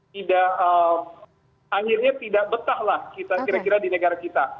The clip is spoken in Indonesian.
tidak akhirnya tidak betahlah kita kira kira di negara kita